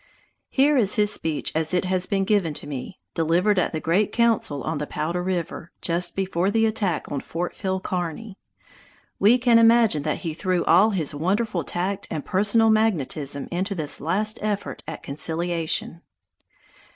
Here is his speech as it has been given to me, delivered at the great council on the Powder River, just before the attack on Fort Phil Kearny. We can imagine that he threw all his wonderful tact and personal magnetism into this last effort at conciliation.